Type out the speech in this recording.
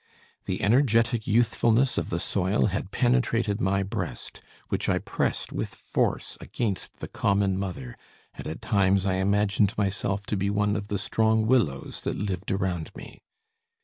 The energetic youthfulness of the soil had penetrated my breast, which I pressed with force against the common mother, and at times I imagined myself to be one of the strong willows that lived around me.